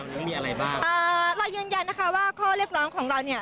ยังมีอะไรบ้างอ่าเรายืนยันนะคะว่าข้อเรียกร้องของเราเนี่ย